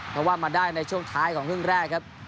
เพราะว่ามาได้ในช่วงท้ายของครึ่งแรกครับ